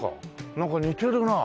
なんか似てるな。